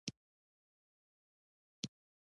خلکو ویل که امیر وسلې ورولېږي جنګ ته تیار دي.